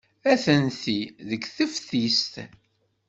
Atenti deg teftist.